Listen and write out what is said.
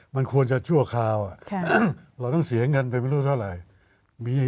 มันควรจะชั่วคราวเราต้องเสียเงินไปไม่รู้เท่าไหร่